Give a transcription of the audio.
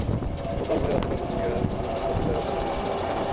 রোববার ভোরে বাসে করে কুষ্টিয়ায় কর্মস্থলে ফেরার পথে দুর্ঘটনার শিকার হন।